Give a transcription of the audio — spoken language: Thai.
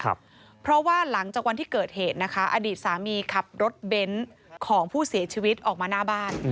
เพราะว่าหลังจากวันที่เกิดเหตุนะคะอดีตสามีขับรถเบนท์ของผู้เสียชีวิตออกมาหน้าบ้าน